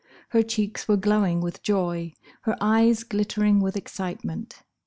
Her cheeks were glowing with joy, her eyes glittering with excitement.